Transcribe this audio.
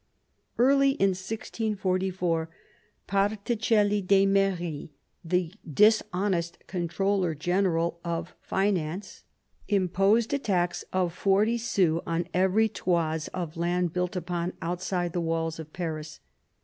Early in 1644 Particelli d'Emery, the dishonest con troller general of finance, imposed a tax of forty sous on every toise of land built upon, outside the walls of. Paris.